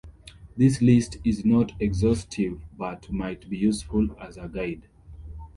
This list is not exhaustive but might be useful as a guide.